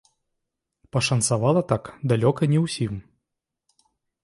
Пашанцавала так далёка не ўсім.